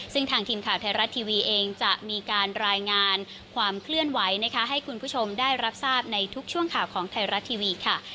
ซึ่งทางทีมข่าวไทยรัฐทีวีเองจะมีการรายงานความเคลื่อนไหวนะคะให้คุณผู้ชมได้รับทราบในทุกช่วงข่าวของไทยรัฐทีวีค่ะ